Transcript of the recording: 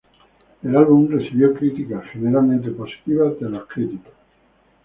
El álbum recibió críticas generalmente positivas de los críticos.